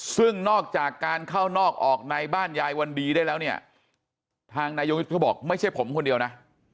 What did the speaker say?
ซึ่งนอกจากการเข้านอกออกในบ้านยายวันดีได้แล้วเนี่ยทางนายวิทย์เขาบอกไม่ใช่ผมคนเดียวนะ